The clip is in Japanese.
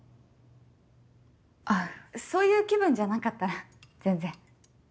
そういう気分じゃなかったら全然。